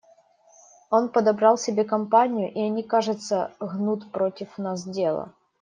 Он подобрал себе компанию, и они, кажется, гнут против нас дело.